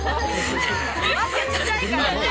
バッグちっちゃいからね。